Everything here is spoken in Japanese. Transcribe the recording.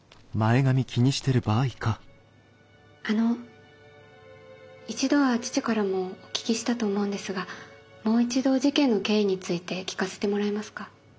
あの一度は父からもお聞きしたと思うんですがもう一度事件の経緯について聞かせてもらえますか？